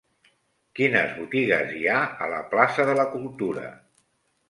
Quines botigues hi ha a la plaça de la Cultura?